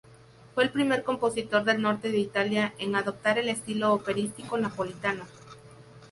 Fue el primer compositor del norte de Italia en adoptar el estilo operístico napolitano.